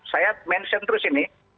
saya mention terus ini